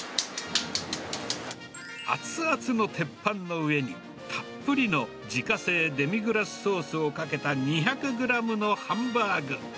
熱々の鉄板の上に、たっぷりの自家製デミグラスソースをかけた２００グラムのハンバーグ。